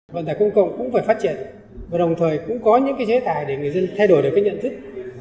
vận tải công cộng cũng phải phát triển và đồng thời cũng có những cái chế tài để người dân thay đổi được cái nhận thức